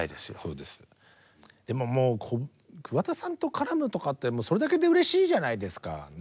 でももう桑田さんと絡むとかってそれだけでうれしいじゃないですか。